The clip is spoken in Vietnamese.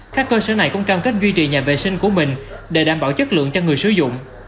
các cơ sở này cũng cam kết duy trì nhà vệ sinh của mình để đảm bảo chất lượng cho người sử dụng